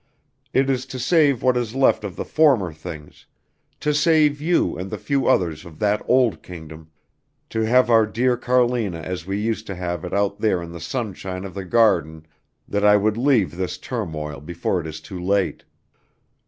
It is to save what is left of the former things to save you and the few others of that old kingdom to have our dear Carlina as we used to have it out there in the sunshine of the garden that I would leave this turmoil before it is too late."